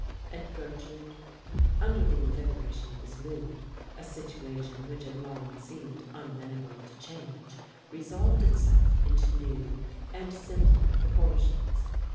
And Gertrude? Under the invigoration of his mood a situation which had long seemed unamenable to change resolved itself into new and simpler proportions.